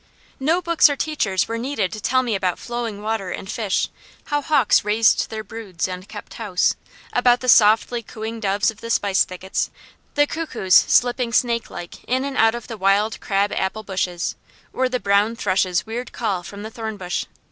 No books or teachers were needed to tell me about flowing water and fish, how hawks raised their broods and kept house, about the softly cooing doves of the spice thickets, the cuckoos slipping snakelike in and out of the wild crab apple bushes, or the brown thrush's weird call from the thorn bush.